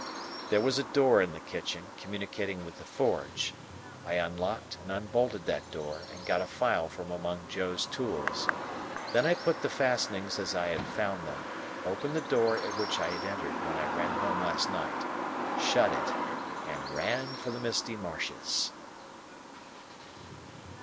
There was a door in the kitchen, communicating with the forge; I unlocked and unbolted that door, and got a file from among Joe's tools. Then I put the fastenings as I had found them, opened the door at which I had entered when I ran home last night, shut it, and ran for the misty marshes.